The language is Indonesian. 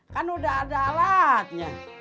kan udah ada alatnya